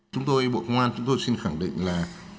chúng tôi bộ công an chúng tôi xin khẳng định là